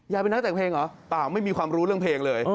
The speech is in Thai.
เป็นนักแต่งเพลงเหรอเปล่าไม่มีความรู้เรื่องเพลงเลย